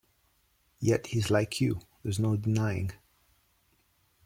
Yet he's like you, there's no denying.